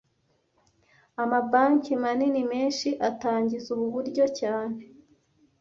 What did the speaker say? Amabanki manini menshi atangiza ubu buryo cyane